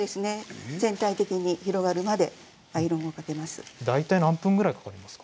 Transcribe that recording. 全体的に広がるまでアイロンをかけます。